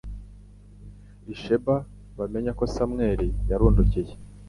risheba bamenya ko Samweli yarundukiye